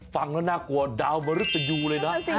ฟังแล้วน่ากลัวดาวมริตยูเลยนะ